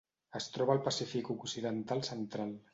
Es troba al Pacífic occidental central: